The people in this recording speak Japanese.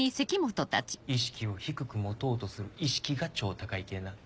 意識を低く持とうとする意識が超高い系な。